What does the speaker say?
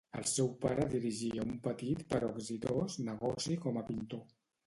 El seu pare dirigia un petit però exitós negoci com a pintor.